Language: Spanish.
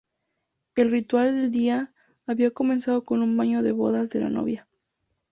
El ritual del día había comenzado con un baño de bodas de la novia.